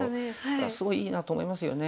だからすごいいいなと思いますよね。